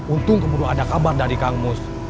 untung kemudian ada kabar dari kang mus